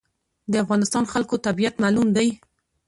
د افغانستان خلکو طبیعت معلوم دی.